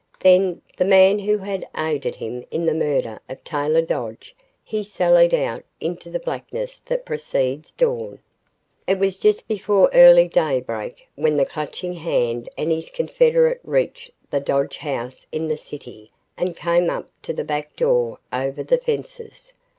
Then, with the man who had aided him in the murder of Taylor Dodge, he sallied out into the blackness that precedes dawn. It was just before early daybreak when the Clutching Hand and his confederate reached the Dodge House in the city and came up to the back door, over the fences.